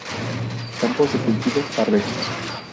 Campos de cultivo, barbechos.